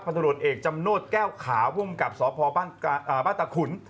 พันธรรมเอกจำโนตแก้วขาวผู้กับสอบพบ้านตะขุน